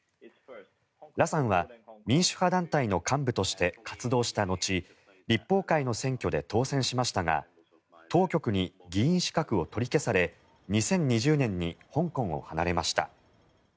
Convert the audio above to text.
ラさんは民主派団体の幹部として活動した後立法会の選挙で当選しましたが当局に議員資格を取り消され２０２０年に香港を離れました。